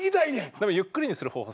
でもゆっくりにする方法